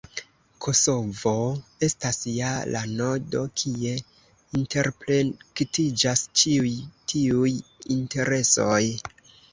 Kosovo estas ja la nodo, kie interplektiĝas ĉiuj tiuj interesoj.